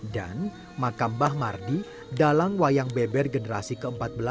dan makam mbah mardi dalang wayang beber generasi ke empat belas